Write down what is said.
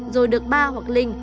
rồi được ba hoặc linh